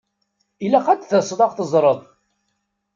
Ilaq ad taseḍ ad ɣ-teẓṛeḍ!